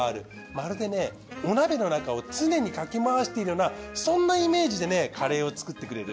まるでねお鍋の中を常にかき回しているようなそんなイメージでねカレーを作ってくれてる。